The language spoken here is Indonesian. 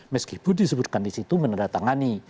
meskipun disebutkan disitu meneratangani